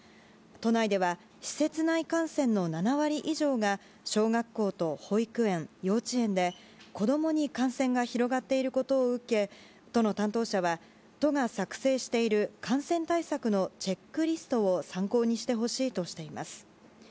都内では施設内感染の７割以上が小学校と保育園、幼稚園で子供に感染が広がっていることを受け都の担当者は、都が作成している感染対策のチェックリストを参考にしてほしいとしています。